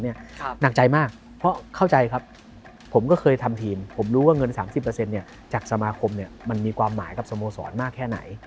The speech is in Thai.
หนักใจมากเพราะเข้าใจครับผมก็เคยทำทีมผมรู้ว่าเงิน๓๐จากสมาคมมันมีความหมายกับสโมสรมากแค่ไหน